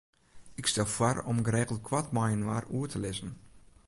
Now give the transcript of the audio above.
Ik stel foar om geregeld koart mei-inoar oer te lizzen.